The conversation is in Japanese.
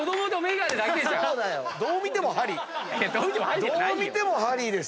どう見てもハリーです。